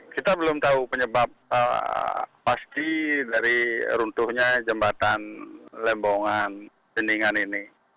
kita belum tahu penyebab pasti dari runtuhnya jembatan lembongan teningan ini